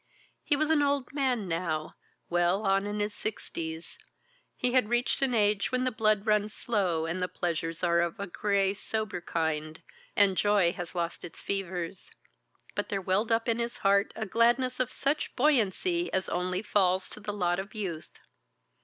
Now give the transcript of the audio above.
He was an old man now, well on in his sixties; he had reached an age when the blood runs slow, and the pleasures are of a grey sober kind, and joy has lost its fevers. But there welled up in his heart a gladness of such buoyancy as only falls to the lot of youth.